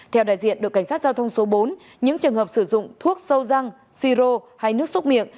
theo đại diện đội cảnh sát giao thông số bốn những trường hợp sử dụng thuốc sâu răng si rô hay nước xúc miệng